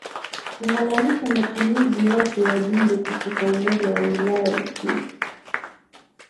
kuhalalisha matumizi yakeWajumbe kutoka Umoja wa Ulaya Uswisi